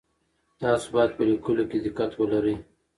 تاسو باید په لیکلو کي دقت ولرئ.